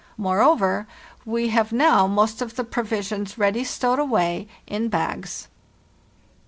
Moreover, we have now most of the provisions ready stowed away in " bags.